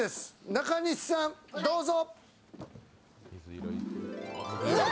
中西さん、どうぞ！